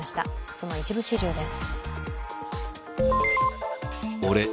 その一部始終です。